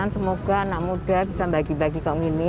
semoga anak muda bisa bagi bagi ke umum ini